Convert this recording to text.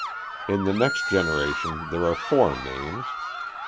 In the next generation there are four names.